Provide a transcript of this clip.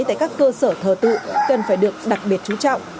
tại các cơ sở thờ tự cần phải được đặc biệt chú trọng